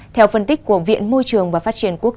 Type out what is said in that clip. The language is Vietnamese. theo phân tích của viện môi trường và phát triển quốc tế